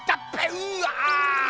うわ。